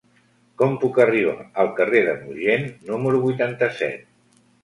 Com puc arribar al carrer del Mogent número vuitanta-set?